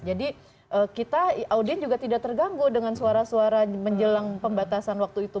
jadi kita audien juga tidak terganggu dengan suara suara menjelang pembatasan waktu itu